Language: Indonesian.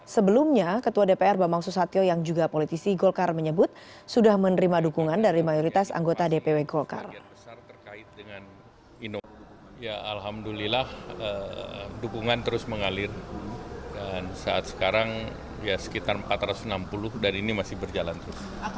sebelumnya ketua dpr bambang susatyo yang juga politisi golkar menyebut sudah menerima dukungan dari mayoritas anggota dpw golkar